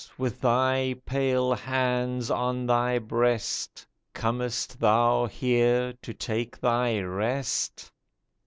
With thy pale hands on thy breast, Comest thou here to take thy rest